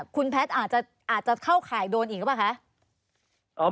คุณแพทย์อาจจะเข้าข่ายโดนอีกหรือเปล่าคะ